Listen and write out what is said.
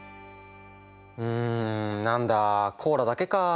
うんなんだコーラだけか。